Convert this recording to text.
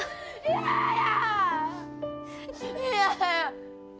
嫌や！